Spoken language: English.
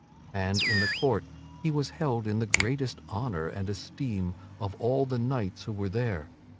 And in that court he was held in the greatest honor and esteem of all the knights who were there.